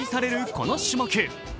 この種目。